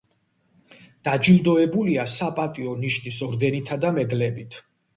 დაჯილდოებულია „საპატიო ნიშნის“ ორდენითა და მედლით.